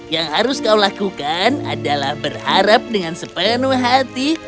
yang harus kau lakukan adalah berharap dengan sepenuh hati